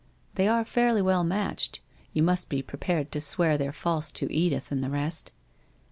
They are fairly well matched. You must be pre pared to swear they're false to Edith and the rest.'